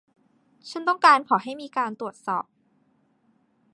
ฉันต้องการขอให้มีการตรวจสอบ